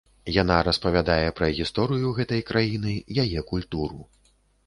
Яна распавядае пра гісторыю гэтай краіны, яе культуру.